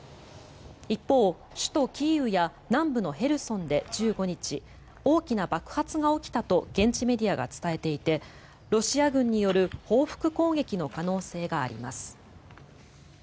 一方、首都キーウや南部のヘルソンで１５日大きな爆発が起きたと現地メディアが伝えていてロシア軍による報復攻撃の可能性があります。